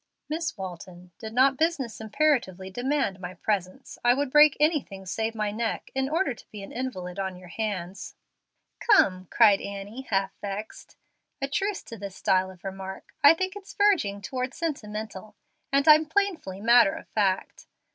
"Miss Walton, did not my business imperatively demand my presence, I would break anything save my neck, in order to be an invalid on your hands." "Come," cried Annie, half vexed; "a truce to this style of remark. I think it's verging toward the sentimental, and I'm painfully matter of fact.